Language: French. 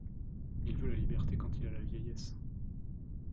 Il veut la liberté quand il a la vieillesse ;